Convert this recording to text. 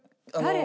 誰？